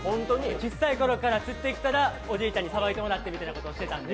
ちっさいころから釣ってきたらおじいちゃんにさばいてもらってみたいなことをしてたんで。